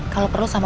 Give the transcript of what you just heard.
kalau perlu sama